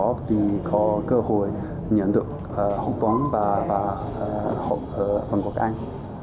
và vì có cơ hội nhận được học bóng và học ở vương quốc anh